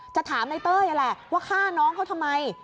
จะถามนายเต้ยแหละว่าฆ่าน้องเขาทำไม